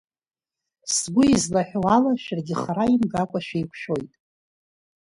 Сгәы излаҳәо ала шәаргьы хара имгакәа шәеиқәшәоит…